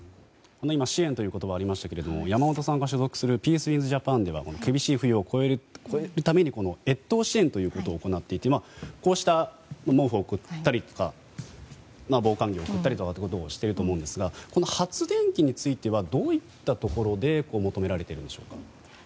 今、支援という言葉が出ましたが山本さんが所属するピースウィンズ・ジャパンでは厳しい冬を越えるために越冬支援ということを行っていてこうした毛布を送ったりとか防寒着を送ったりということをしていると思うんですが発電機についてはどういったところで求められているんでしょうか。